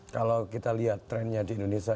kalau kita lihat trennya di indonesia